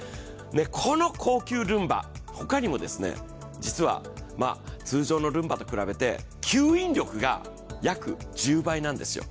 この高級ルンバ、ほかにも実は通常のルンバと比べて吸引力が約１０倍なんですよ。